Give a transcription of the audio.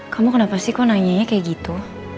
kamu kenapa sih kok nanyanya kayak gitu